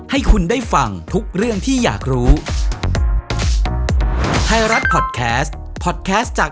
ให้คุณได้ฟังทุกเรื่องที่อยากรู้ไทยรัฐพอดแคสต์พอดแคสต์จาก